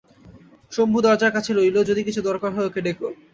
শম্ভু দরজার কাছে রইল, যদি কিছু দরকার হয় ওকে ডেকো।